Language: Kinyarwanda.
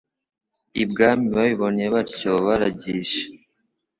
ibwami babibonye batyo baragisha